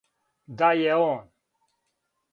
Да је он.